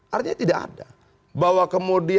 artinya itu adalah hal yang harus diperhatikan